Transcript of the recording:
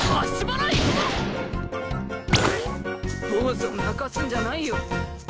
ボーズを泣かすんじゃないよ。